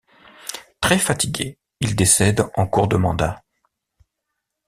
Très fatigué, il décède en cours de mandat.